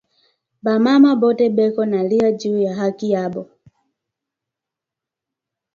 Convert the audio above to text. Ba mama bote beko naria nju ya haki yabo